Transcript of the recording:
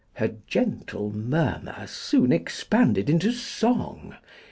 Her gentle murmur soon expanded into song.